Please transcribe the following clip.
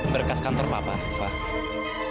berkas kantor papa pak